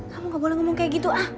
kamu gak boleh ngomong kayak gitu ah